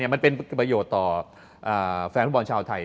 มันเป็นประโยชน์ต่อแฟนฟุตบอลชาวไทย